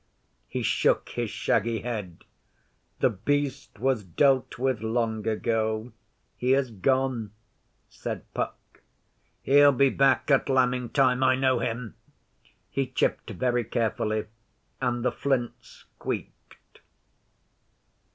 He shook his shaggy head. 'The Beast was dealt with long ago. He has gone,' said Puck. 'He'll be back at lambing time. I know him.' He chipped very carefully, and the flints squeaked.